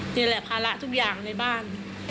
นี่แหละภาระทุกอย่างในบ้าน